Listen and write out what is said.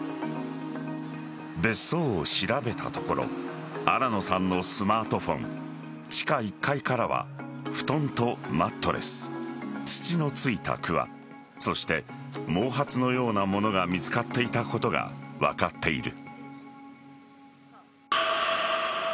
別荘を調べたところ新野さんのスマートフォン地下１階からは布団とマットレス土の付いたくわそして毛髪のようなものが見つかっていたことが分かっている。